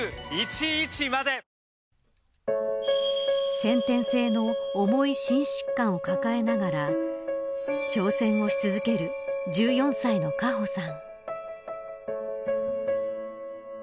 先天性の重い心疾患を抱えながら挑戦し続ける１４歳の果歩さん。